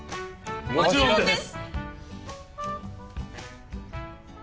もちろんです！